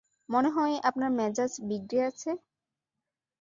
মনে হয় আপনার মেজাজ বিগড়ে আছে।